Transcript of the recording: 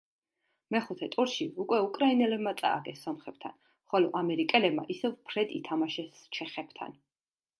მეხუთე ტურში უკვე უკრაინელებმა წააგეს სომხებთან, ხოლო ამერიკელებმა ისევ ფრედ ითამაშეს ჩეხებთან.